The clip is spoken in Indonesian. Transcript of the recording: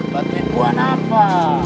berarti buat apa